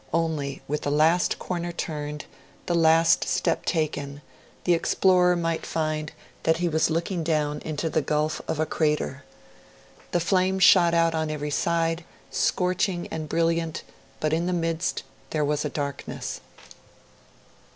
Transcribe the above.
Only, with the last corner turned, the last step taken, the explorer might find that he was looking down into the gulf of a crater. The flame shot out on every side, scorching and brilliant; but in the midst, there was a darkness.